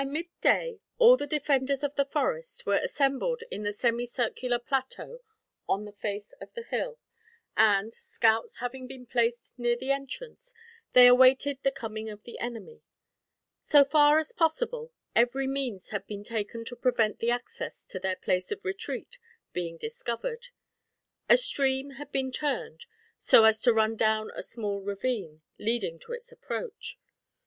By midday, all the defenders of the forest were assembled in the semi circular plateau on the face of the hill; and, scouts having been placed near the entrance, they awaited the coming of the enemy. So far as possible, every means had been taken to prevent the access to their place of retreat being discovered. A stream had been turned, so as to run down a small ravine, leading to its approach.